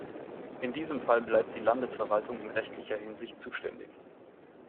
In diesem Fall bleibt die Landesverwaltung in rechtlicher Hinsicht zuständig.